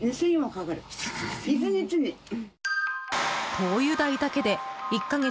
灯油代だけで１か月